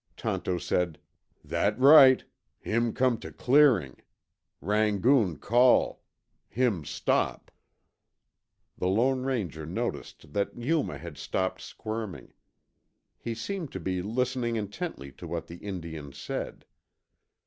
Tonto said, "That right. Him come to clearing. Rangoon call. Him stop." The Lone Ranger noticed that Yuma had stopped squirming. He seemed to be listening intently to what the Indian said.